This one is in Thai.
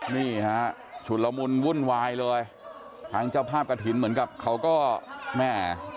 นี่ฮะฉุดละมุนวุ่นวายเลยทางเจ้าภาพกระถิ่นเหมือนกับเขาก็แม่